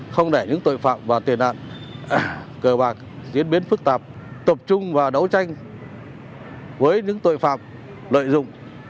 không để những tội phạm và tiền nạn cờ bạc diễn biến phức tạp tập trung vào đấu tranh với những tội phạm lợi dụng